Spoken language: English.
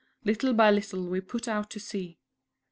Little by little we put out to sea....